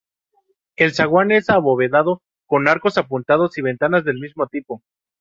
El zaguán es abovedado, con arcos apuntados y ventanas del mismo tipo.